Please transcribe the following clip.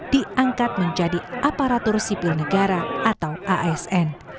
diangkat menjadi aparatur sipil negara atau asn